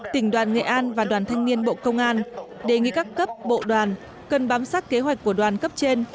tỉnh đoàn nghệ an và đoàn thanh niên bộ công an đề nghị các cấp bộ đoàn cần bám sát kế hoạch của đoàn cấp trên